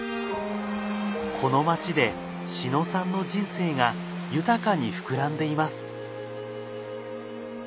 この町で志野さんの人生が豊かに膨らんでいます。